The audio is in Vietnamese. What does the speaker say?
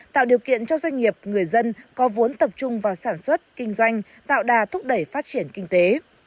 tạo điều kiện cho doanh nghiệp người dân có vốn tập trung vào sản xuất kinh doanh tạo đà thúc đẩy phát triển kinh tế